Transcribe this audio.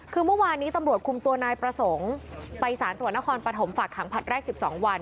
คือเมื่อวานนี้ตำรวจคุมตัวนายประสงค์ไปสารจังหวัดนครปฐมฝากขังผลัดแรก๑๒วัน